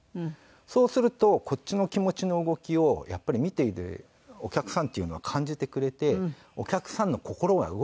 そうするとこっちの気持ちの動きをやっぱり見ているお客さんっていうのは感じてくれてお客さんの心が動くんですよ。